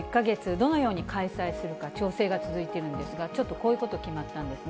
どのように開催するか、調整が続いているんですが、ちょっとこういうこと決まったんですね。